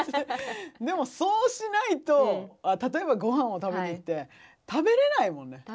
でもそうしないと例えばごはんを食べに行って食べれないもんね